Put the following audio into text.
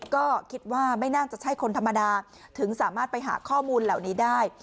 ก็คิดว่าไม่น่าจะใช่คนธรรมดาถึงสามารถไปหาข้อมูลเหล่านี้ได้